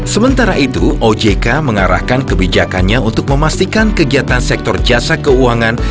sementara itu ojk mengarahkan kebijakannya untuk memastikan kegiatan sektor jasa keuangan